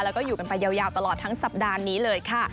แล้วก็อยู่กันไปยาวตลอดทั้งสัปดาห์นี้เลยค่ะ